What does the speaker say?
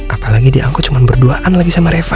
apalagi di angkot cuma berduaan lagi sama reva